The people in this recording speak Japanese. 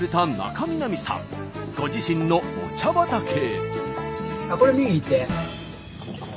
ご自身のお茶畑へ。